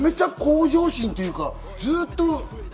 めちゃめちゃ向上心ていうか。